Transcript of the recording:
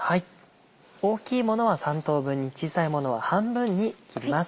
大きいものは３等分に小さいものは半分に切ります。